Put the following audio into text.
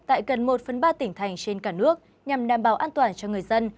tại gần một phần ba tỉnh thành trên cả nước nhằm đảm bảo an toàn cho người dân